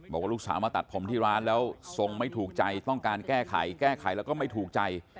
บอกว่าลูกสาวมาตัดผมที่ร้านแล้วทรงไม่ถูกใจต้องการแก้ไขแก้ไขแล้วก็ไม่ถูกใจ